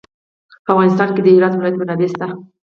په افغانستان کې د هرات ولایت منابع شته.